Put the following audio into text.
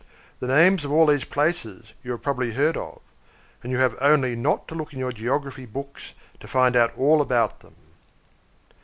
The names of all these places you have probably heard of; and you have only not to look in your geography books to find out all about them.